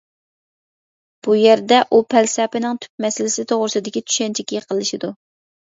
بۇ يەردە، ئۇ پەلسەپىنىڭ تۈپ مەسىلىسى توغرىسىدىكى چۈشەنچىگە يېقىنلىشىدۇ.